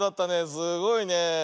すごいねえ。